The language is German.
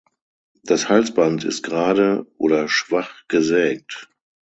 Das Halsband ist gerade oder schwach gesägt.